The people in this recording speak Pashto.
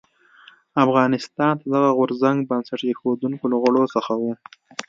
افغانستان د دغه غورځنګ بنسټ ایښودونکو له غړو څخه و.